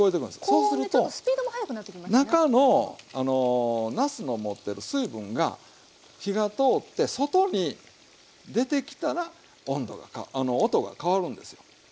そうすると中のなすの持ってる水分が火が通って外に出てきたら音が変わるんですよ。